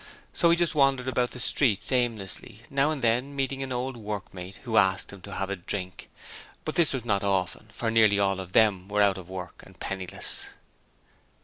So he just wandered about the streets aimlessly, now and then meeting an old workmate who asked him to have a drink, but this was not often, for nearly all of them were out of work and penniless.